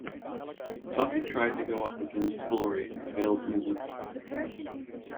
Buffy tried to go up against Glory and failed miserably.